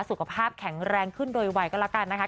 สุขภาพแข็งแรงขึ้นโดยไวก็แล้วกันนะคะ